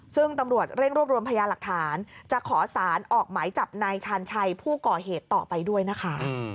ซึ่งตำรวจเร่งรวบรวมพยาหลักฐานจะขอสารออกหมายจับนายชาญชัยผู้ก่อเหตุต่อไปด้วยนะคะ